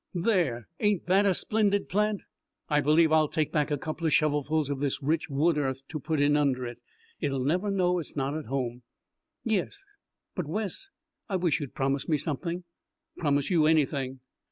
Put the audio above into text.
There, ain't that a splendid plant? I believe I'll take back a couple shovelfuls this rich wood earth to put in under it. It'll never know it's not at home." "Yes, but, Wes I wish you'd promise me something." "Promise you anything."